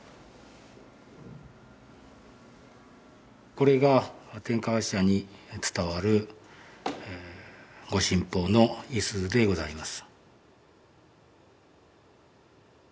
これが天河神社に伝わる御神宝の五十鈴でございます。